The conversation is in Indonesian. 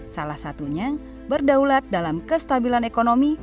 salah satunya berdaulat dalam kestabilan ekonomi